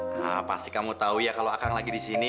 nah pasti kamu tahu ya kalau akang lagi di sini